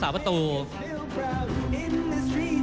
ท่านแรกครับจันทรุ่ม